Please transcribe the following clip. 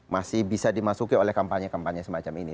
masih bisa dimasuki oleh kampanye kampanye semacam ini